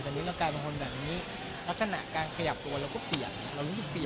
แต่นี้เรากลายเป็นคนแบบนี้ลักษณะการขยับตัวเราก็เปียกเรารู้สึกดี